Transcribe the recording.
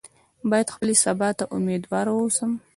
باید خپلې سبا ته امیدواره واوسو.